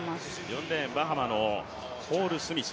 ４レーンバハマのホールスミス。